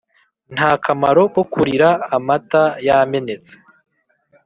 nta kamaro ko kurira amata yamenetse